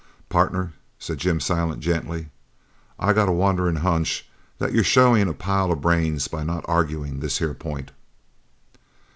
"Partner," said Jim Silent gently, "I got a wanderin' hunch that you're showin' a pile of brains by not arguin' this here pint!"